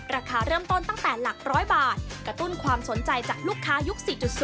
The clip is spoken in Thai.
ราคาเริ่มต้นตั้งแต่หลัก๑๐๐บาทกระตุ้นความสนใจจากลูกค้ายุค๔๐